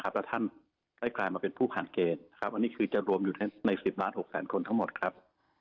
แล้วท่านได้กลายมาเป็นผู้ผ่านเกณฑ์อันนี้คือจะรวมอยู่ใน๑๐ล้าน๖แสนคนทั้งหมดครับ